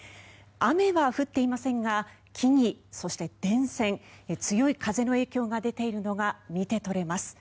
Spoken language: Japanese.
雨は降っていませんが木々、そして電線強い風の影響が出ているのが見て取れます。